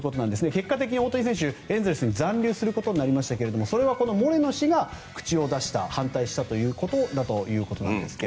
結果的に大谷選手はエンゼルスに残留することになりましたがそれはモレノ氏が口を出した反対したことだということなんですが。